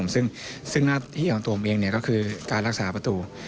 ซึ่งหน้าที่ของตัวผมเองก็คือการรักษาประตู